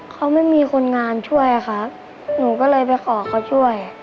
เขาไม่มีคนงานช่วยครับหนูก็เลยไปขอเขาช่วย